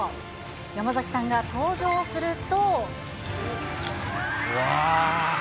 山崎さんが登場すると。